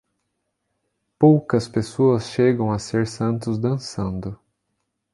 Poucas pessoas chegam a ser santos dançando.